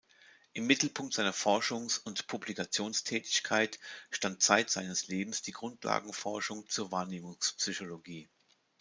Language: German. Im Mittelpunkt seiner Forschungs- und Publikationstätigkeit stand zeit seines Lebens die Grundlagenforschung zur Wahrnehmungspsychologie.